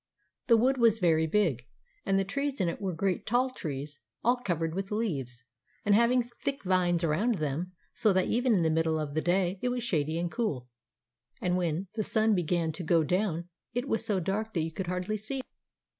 The wood was very big, and the trees in it were great tall trees all covered with leaves, and having thick vines around them, so that even in the middle of the day it was shady and cool ; and when the sun began to go down it was so dark that you could hardly see.